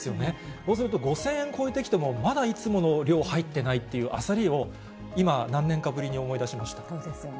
そうすると５０００円超えてきても、まだいつもの量はいってないっていう焦りを今、何年かぶりに思いそうですよね。